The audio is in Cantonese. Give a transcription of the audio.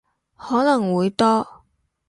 可能會多